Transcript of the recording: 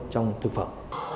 trong thực phẩm